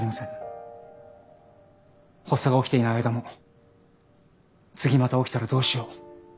発作が起きていない間も次また起きたらどうしよう。